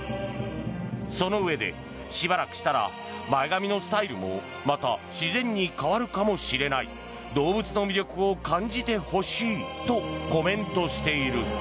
そのうえで、しばらくしたら前髪のスタイルもまた自然に変わるかもしれない動物の魅力を感じてほしいとコメントしている。